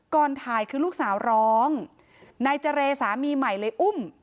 ก่อนถ่ายคือลูกสาวร้องนายเจรสามีใหม่เลยอุ้ม